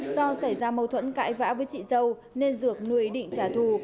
do xảy ra mâu thuẫn cãi vã với chị dâu nên dược nuôi ý định trả thù